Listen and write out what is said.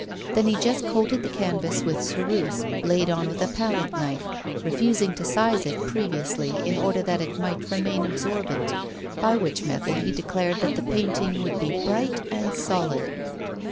Then he just coated the canvas with ceruse, laid on with a palette knife, refusing to size it previously, in order that it might remain absorbent, by which method he declared that the painting would be bright and solid.